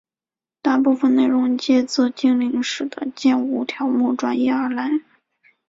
大部分内容皆自精灵使的剑舞条目转移而来。